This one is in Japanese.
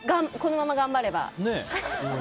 このまま頑張れば。